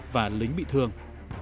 và lính bị thương